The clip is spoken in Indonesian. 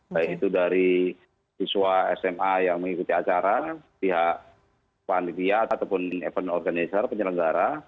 yaitu dari siswa sma yang mengikuti acara pihak pandidia ataupun event organizer penyelenggara